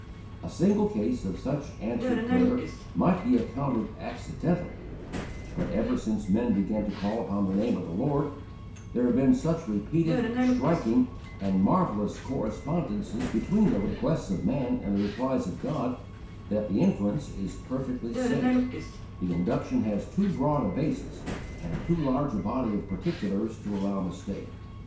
A single case of such answered prayer might be accounted accidental; but, ever since men began to call upon the name of the Lord, there have been such repeated, striking, and marvelous correspondences between the requests of man and the replies of God, that the inference is perfectly safe, the induction has too broad a basis and too large a body of particulars to allow mistake.